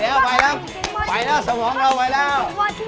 เออเออเออเออ